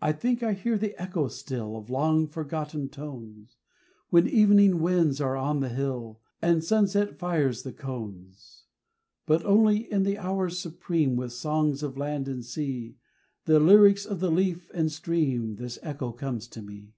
I think I hear the echo still Of long forgotten tones, When evening winds are on the hill And sunset fires the cones; But only in the hours supreme, With songs of land and sea, The lyrics of the leaf and stream, This echo comes to me.